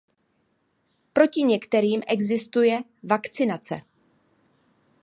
Proti některým existuje vakcinace.